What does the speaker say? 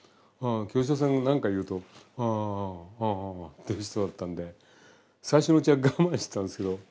清志郎さんが何か言うと「ああああああ。はあはあ」って人だったんで最初のうちは我慢してたんですけど